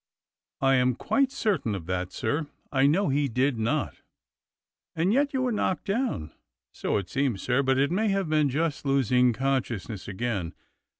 "I am quite certain of that, sir. I know he did not /" "And yet you were knocked down!" "So it seems, sir, but it may have been just losing consciousness again.